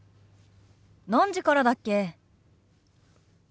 何時からだっけ？